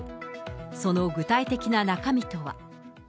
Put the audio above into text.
その具体的な中身とは。